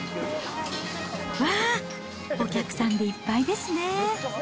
わー、お客さんでいっぱいですね。